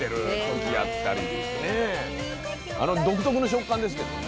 独特の食感ですけどね。